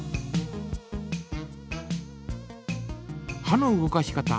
歯の動かし方。